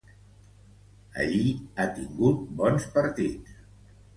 Allí ha tingut bons partits.